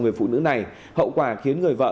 người phụ nữ này hậu quả khiến người vợ